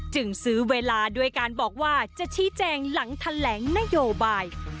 จึงซื้อเวลาด้วยการบอกว่าจะชี้แจงหลังแถลงนโยบาย